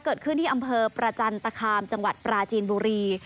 เกิดขึ้นที่อำเภอประจันตคามจังหวัดปราจีนบุรี